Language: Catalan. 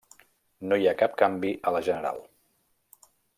No hi ha cap canvi a la general.